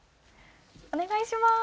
お願いします！